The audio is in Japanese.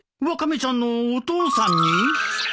ワカメちゃんのお父さんに？